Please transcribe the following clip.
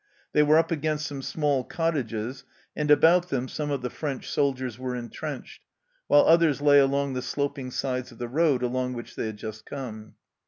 They were up against some small cottages, and about them some of the French soldiers were entrenched, while others lay along the sloping sides of the road along which they had just come.